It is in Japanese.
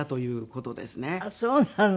ああそうなの。